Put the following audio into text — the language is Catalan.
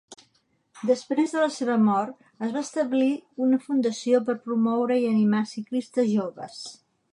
Després de la seva mort es va establir una fundació per promoure i animar ciclistes joves.